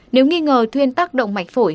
nếu nghi ngờ thuyên tắc động mạch phổi